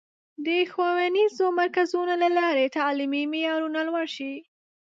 د ښوونیزو مرکزونو له لارې تعلیمي معیارونه لوړ شي.